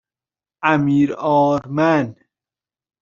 امیرآرمن